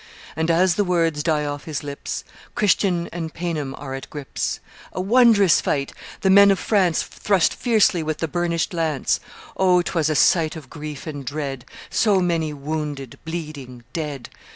And as the words die off his lips, Christian and Paynim are at grips. "A wondrous fight! The men of France Thrust fiercely with the burnished lance! O, 'twas a sight of grief and dread, So many wounded, bleeding, dead!